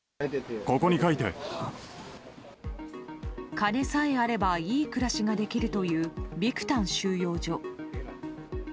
金さえあればいい暮らしができるというビクタン収容所。